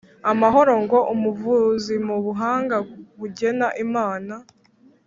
amahoro ngo umuvuzi mu buhanga bugena imana